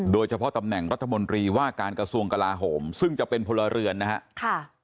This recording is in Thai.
ตำแหน่งรัฐมนตรีว่าการกระทรวงกลาโหมซึ่งจะเป็นพลเรือนนะครับ